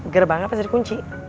gerbangnya pasti dikunci